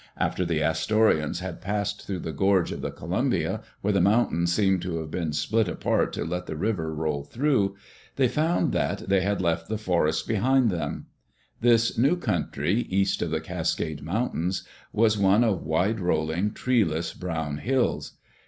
After the Astorians had passed through the gorge of the Columbia, where the mountains seem to have been split apart to let the river roll through, they found that they had left the forests behind them. This new country, east of the Cascade Mountains, was one of wide rolling, treeless brown hills.